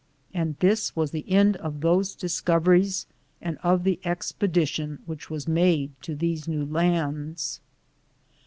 And this was the end of those discoveries and of the expedi tion which was made to these new lands.